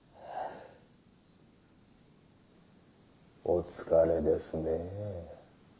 お疲れですねぇ。